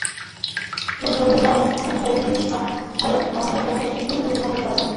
গতকাল বেলা একটায় পুলিশ পাহারায় তাঁকে সুপ্রিম কোর্টে হাজির করা হয়।